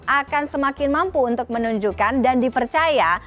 akan semakin mampu untuk menunjukkan dan dipercaya